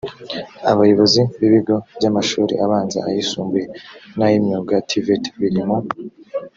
abayobozi b ibigo by amashuri abanza ayisumbuye n ay imyuga tvet biri mu